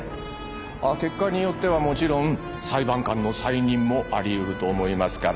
結果によってはもちろん裁判官の再任もあり得ると思いますから。